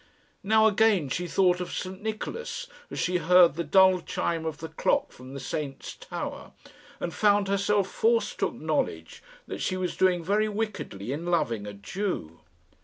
Now again she thought of St Nicholas, as she heard the dull chime of the clock from the saint's tower, and found herself forced to acknowledge that she was doing very wickedly in loving a Jew.